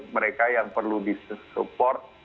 mereka yang perlu disupport